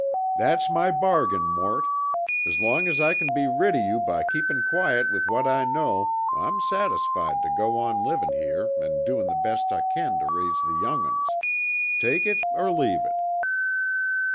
"That's my bargain, Mort as long as I c'n be rid of you by keepin' quiet with what I know, I'm satisfied tuh go on livin' here an' doin' the best I can tuh raise the young'uns. Take it or leave it."